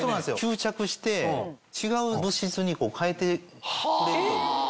吸着して違う物質に変えてくれるという。